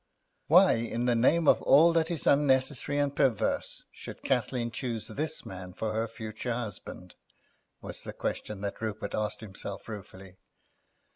"Why in the name of all that is unnecessary and perverse should Kathleen choose this man for her future husband?" was the question that Rupert asked himself ruefully.